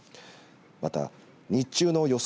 また日中の予想